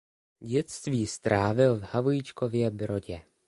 Dětství strávil v Havlíčkově Brodě.